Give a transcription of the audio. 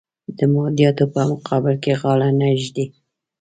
د مادیاتو په مقابل کې غاړه نه ږدي.